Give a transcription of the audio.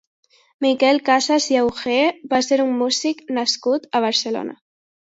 Miquel Casas i Augé va ser un músic nascut a Barcelona.